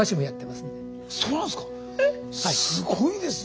すごいですね。